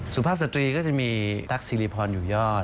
สุภาพสตรีก็จะมีตั๊กสิริพรอยู่ยอด